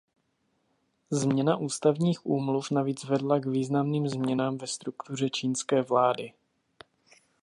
Změna ústavních úmluv navíc vedla k významným změnám ve struktuře čínské vlády.